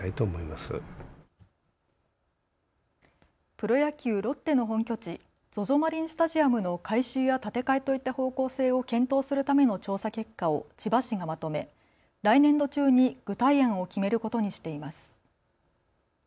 プロ野球・ロッテの本拠地、ＺＯＺＯマリンスタジアムの改修や建て替えといった方向性を検討するための調査結果を千葉市がまとめ、来年度中に具体案を決めることにしています。